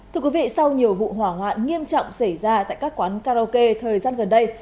thưa quý vị sau nhiều vụ hỏa hoạn nghiêm trọng xảy ra tại các quán karaoke thời gian gần đây